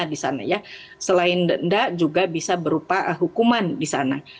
di sana ya selain denda juga bisa berupa hukuman di sana